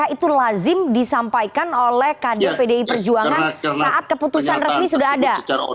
itu lazim disampaikan oleh kader pdi perjuangan saat keputusan resmi sudah ada